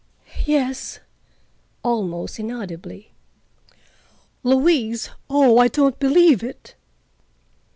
"Yes," almost inaudibly. "Louise! Oh, I don't believe it."